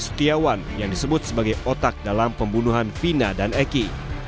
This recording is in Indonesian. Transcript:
setiawan yang disebut sebagai otak dalam pembunuhan vina dan eki